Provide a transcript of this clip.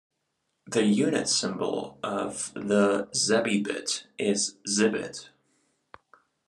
The unit symbol of the zebibit is Zibit.